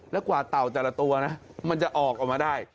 แล้วกว่าเต่าแต่ละตัวนะมันจะออกออกมาได้